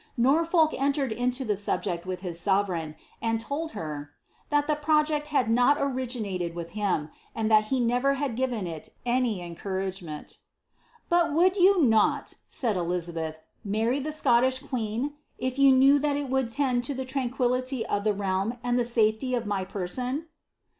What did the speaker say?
Norfolk entered into the subject with his sovereign, and told her, ^ that the project had not originated with him, and that he never had given it any encouragement." ^^ But would you not," said Eliza beth, ^ marry the Scottish queen, if you knew that it would tend to the tranquillity of the realm, and the safety of my person